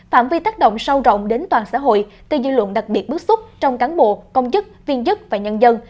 phạm vi tác động sâu rộng đến toàn xã hội gây dư luận đặc biệt bức xúc trong cán bộ công chức viên chức và nhân dân